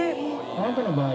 あなたの場合ね